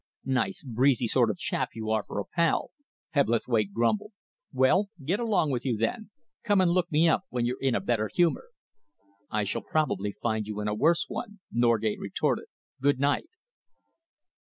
"Nice breezy sort of chap you are for a pal!" Hebblethwaite grumbled. "Well, get along with you, then. Come and look me up when you're in a better humour." "I shall probably find you in a worse one," Norgate retorted. "Good night!"